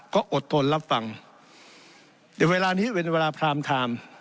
ก็อดทนรับฟังเดี๋ยวเวลานี้เป็นเวลาพรามไทม์